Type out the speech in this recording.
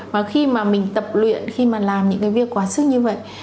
và khi mà mình tập luyện khi mà làm những cái việc quá sức như vậy